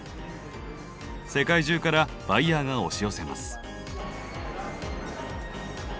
世界中からバイヤーが押し寄せます。